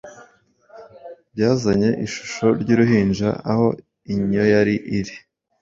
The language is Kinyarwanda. Byazanye ishusho y'uruhinja Aho inyo yari iri?